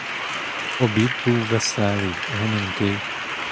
Обід був веселий, гомінкий.